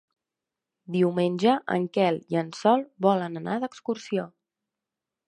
Diumenge en Quel i en Sol volen anar d'excursió.